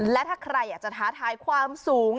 และถ้าใครอยากจะท้าทายความสูง